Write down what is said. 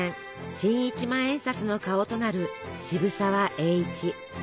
新１万円札の顔となる渋沢栄一。